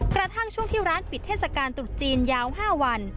กระทั่งช่วงที่ร้านปิดเทศกาลตรุษจีนยาว๕วัน